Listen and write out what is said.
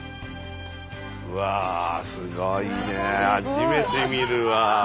うわすごいね初めて見るわ。